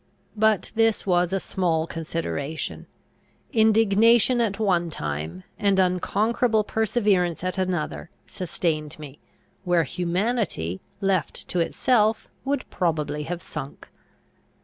But this was a small consideration. Indignation at one time, and unconquerable perseverance at another, sustained me, where humanity, left to itself, would probably have sunk.